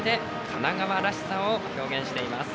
神奈川らしさを表現しています。